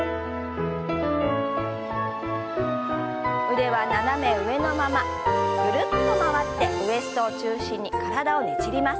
腕は斜め上のままぐるっと回ってウエストを中心に体をねじります。